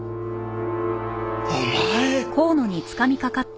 お前！